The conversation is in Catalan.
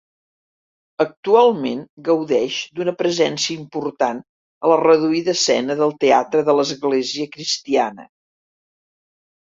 Actualment gaudeix d'una presència important a la reduïda escena del teatre de l'església cristiana.